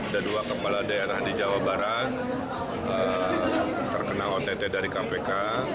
ada dua kepala daerah di jawa barat terkena ott dari kpk